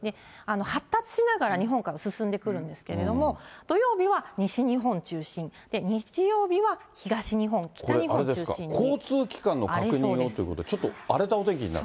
発達しながら日本海進んでくるんですけれども、土曜日は西日本中心、日曜日は東日本、交通機関の確認をということで、ちょっと荒れたお天気になる？